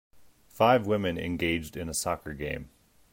Five women engaged in a soccer game.